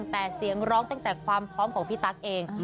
แต่เสียงร้องตั้งแต่ความพร้อมของพี่ตั๊กเอง